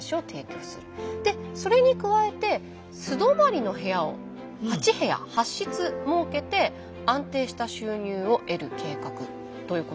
でそれに加えて素泊まりの部屋を８部屋８室設けて安定した収入を得る計画ということなんですが。